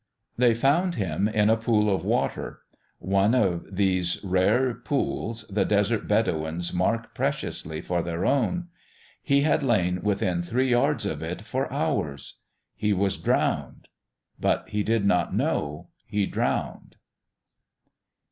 They found him in a pool of water one of these rare pools the Desert Bedouin mark preciously for their own. He had lain within three yards of it for hours. He was drowned ... but he did not know he drowned....